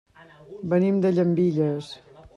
Venim de Llambilles.